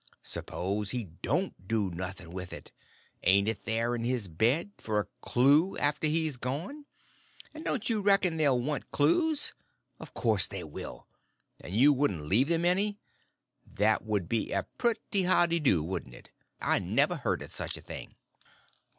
S'pose he don't do nothing with it? ain't it there in his bed, for a clew, after he's gone? and don't you reckon they'll want clews? Of course they will. And you wouldn't leave them any? That would be a pretty howdy do, wouldn't it! I never heard of such a thing."